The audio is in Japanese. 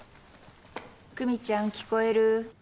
久実ちゃん聞こえる？